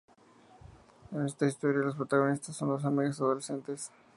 En esta historia las protagonistas son dos amigas adolescentes.